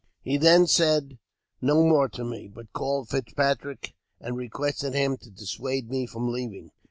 He then said no more to me, but called Fitzpatrick, and re quested him to dissuade me from leaving.